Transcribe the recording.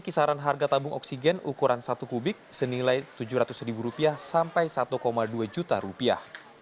pencarian harga tabung oksigen ukuran satu kubik senilai rp tujuh ratus sampai rp satu dua juta